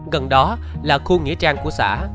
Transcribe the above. gần đó là khu nghĩa trang của xã